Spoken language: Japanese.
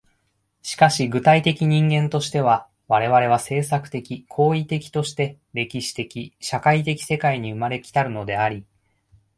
しかし具体的人間としては、我々は制作的・行為的として歴史的・社会的世界に生まれ来たるのであり、